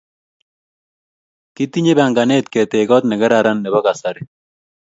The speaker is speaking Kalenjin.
Kitinye panganet ketech kot ne kararan ne po kasari